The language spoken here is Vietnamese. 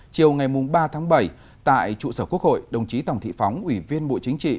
chiều ngày ba tháng bảy tại trụ sở quốc hội đồng chí tòng thị phóng ủy viên bộ chính trị